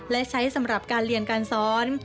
และใช้สำหรับการเรียนการสอน